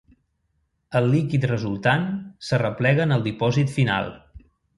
El líquid resultant s'arreplega en el dipòsit final.